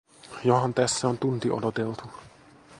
Johan tässä on tunti odoteltu.